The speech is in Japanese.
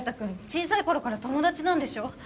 小さい頃から友達なんでしょ？